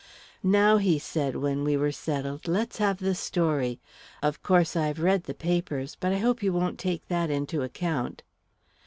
"Now," he said, when we were settled, "let's have the story. Of course I've read the papers, but I hope you won't take that into account."